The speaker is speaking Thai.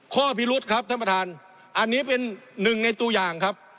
พิรุษครับท่านประธานอันนี้เป็นหนึ่งในตัวอย่างครับ